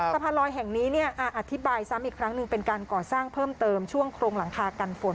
สะพานลอยแห่งนี้อธิบายซ้ำอีกครั้งหนึ่งเป็นการก่อสร้างเพิ่มเติมช่วงโครงหลังคากันฝน